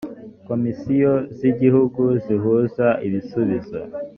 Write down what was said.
komisiyo z’ igihugu zihuza ibisubizo.